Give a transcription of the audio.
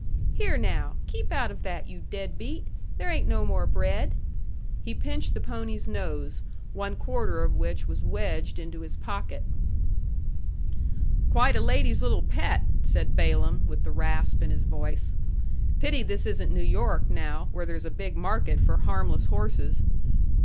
Here, now! Keep out of that, you dead beat! There ain't no more bread." He pinched the pony's nose, one quarter of which was wedged into his pocket. "Quite a lady's little pet!" said Balaam, with the rasp in his voice. "Pity this isn't New York, now, where there's a big market for harmless horses.